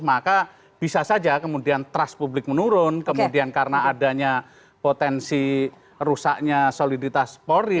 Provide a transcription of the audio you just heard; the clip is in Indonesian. maka bisa saja kemudian trust publik menurun kemudian karena adanya potensi rusaknya soliditas polri